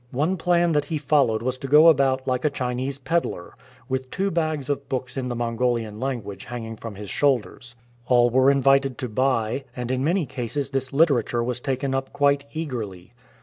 One plan that he followed was to go about like a Chinese pedlar, with two bags of books in the Mongolian language hanging from his shoulders. All were invited to buy, and in many cases this literature was taken up quite eagerly.